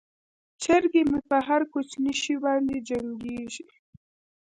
چرګې مې په هر کوچني شي باندې جنګیږي.